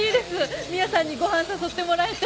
ミアさんにご飯誘ってもらえて。